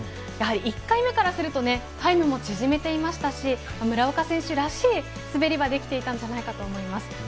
やはり１回目からするとタイムを縮めていましたし村岡選手らしい滑りができていたんじゃないかと思います。